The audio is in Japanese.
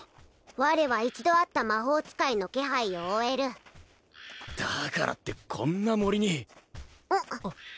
我は一度会った魔法使いの気配を追えるだからってこんな森にん！